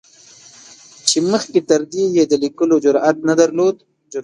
چې مخکې تر دې یې د لیکلو جرعت نه درلود.